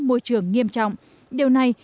môi trường nghiêm trọng điều này